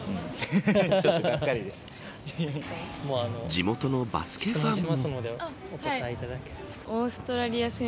地元のバスケファンも。